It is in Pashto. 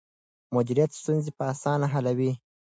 مديريت ستونزې په اسانه حلوي.